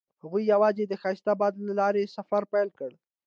هغوی یوځای د ښایسته باد له لارې سفر پیل کړ.